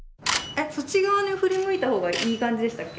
えそっち側に振り向いた方がいい感じでしたっけ。